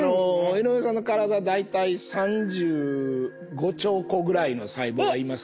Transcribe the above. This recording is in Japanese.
井上さんの体大体３５兆個ぐらいの細胞がいますから。